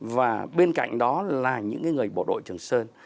và bên cạnh đó là những người bộ đội trường sơn